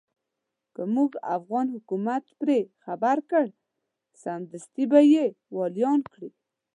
که موږ افغان حکومت پرې خبر کړ سمدستي به يې واليان کړي.